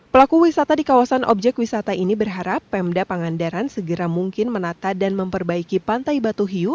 pelaku wisata di kawasan objek wisata ini berharap pemda pangandaran segera mungkin menata dan memperbaiki pantai batu hiu